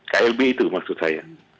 klb itu maksud saya